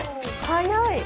早い。